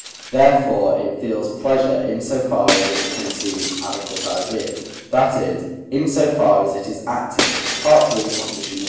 Therefore it feels pleasure in so far as it conceives adequate ideas; that is, in so far as it is active (III. i.).